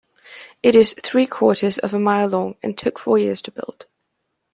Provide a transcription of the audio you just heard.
It is three quarters of a mile long and took four years to build.